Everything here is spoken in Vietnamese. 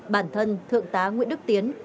bản thân thượng tá nguyễn đức tiến